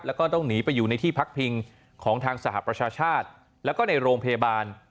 แล้วก็ต้องหนีไปอยู่ในที่พักพิงของทางสหประชาชาติแล้วก็ในโรงพยาบาล